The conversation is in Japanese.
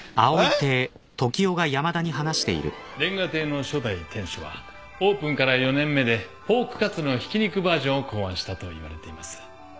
煉瓦亭の初代店主はオープンから４年目でポークカツのひき肉バージョンを考案したといわれています。